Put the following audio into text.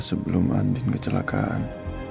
sebelum andin kecelakaan